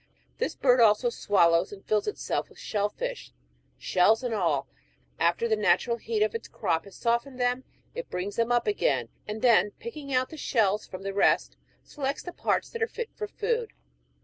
This bird also swallows and fills itself with shell fish, shells and all ; after the natural heat of its crop has softened them, it brings them up again, and then picking out the shells from the rest, selects the parts that are fit for food.